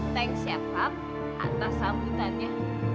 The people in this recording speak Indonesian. thanks siapa atas sambutan ya